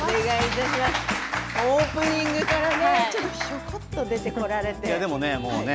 オープニングからちょっとひょこっと出て来られて。